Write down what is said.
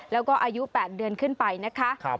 แล้วก็อายุ๘เดือนขึ้นไปนะคะ